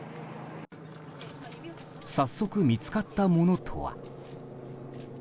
早速、見つかったものとは。